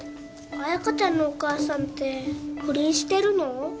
彩香ちゃんのお母さんって不倫してるの？